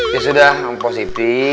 ya sudah positi